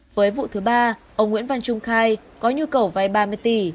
với vụ thứ ba ông nguyễn văn trung khai có nhu cầu vay ba mươi tỷ